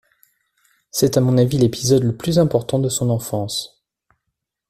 C’est à mon avis l’épisode le plus important de son enfance.